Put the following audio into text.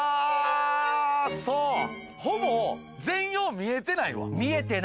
ほぼ全容、見えてないわ。